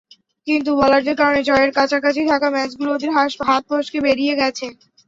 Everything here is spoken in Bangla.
কিন্তু বোলারদের কারণে জয়ের কাছাকাছি থাকা ম্যাচগুলো ওদের হাত ফসকে বেরিয়ে গেছে।